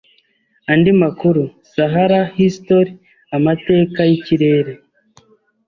Andi makuru: Sahara history Amateka yikirere